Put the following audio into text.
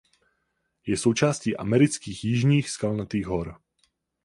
Je součástí amerických Jižních Skalnatých hor.